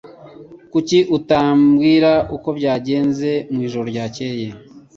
Kuki utambwira uko byagenze mwijoro ryakeye?